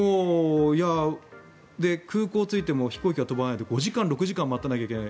空港に着いても飛行機が飛ばないで５時間、６時間待たなきゃいけない。